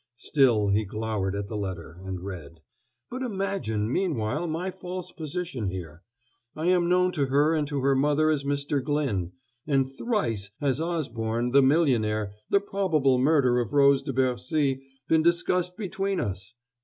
Still he glowered at the letter, and read. But imagine, meanwhile, my false position here! I am known to her and to her mother as Mr. Glyn; and thrice has Osborne, the millionaire, the probable murderer of Rose de Bercy, been discussed between us.